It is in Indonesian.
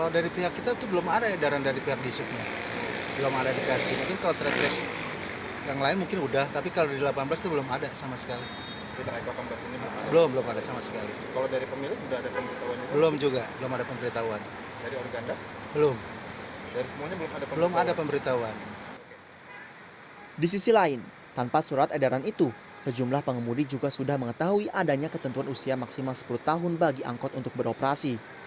di sisi lain tanpa surat edaran itu sejumlah pengemudi juga sudah mengetahui adanya ketentuan usia maksimal sepuluh tahun bagi angkot untuk beroperasi